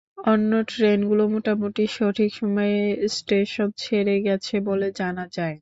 অন্য ট্রেনগুলো মোটামুটি সঠিক সময়ে স্টেশন ছেড়ে গেছে বলে জানা যায়।